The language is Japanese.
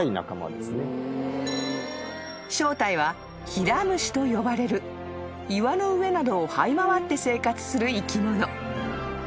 ［正体はヒラムシと呼ばれる岩の上などをはい回って生活する生き物］